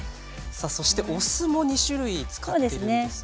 さあそしてお酢も２種類使ってるんですね。